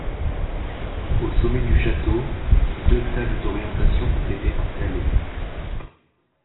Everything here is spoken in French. Au sommet du château, deux tables d'orientation ont été installées.